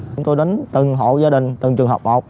chúng tôi đến từng hộ gia đình từng trường học một